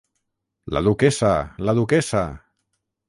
La duquessa, la duquessa!